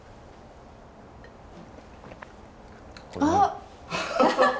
ああ！